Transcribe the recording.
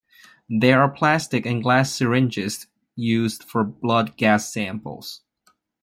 There are plastic and glass syringes used for blood gas samples.